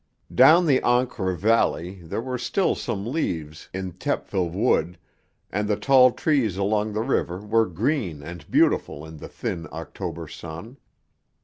Down the Ancre valley there were still some leaves in Thiepval Wood, and the tall trees along the river were green and beautiful in the thin October sun.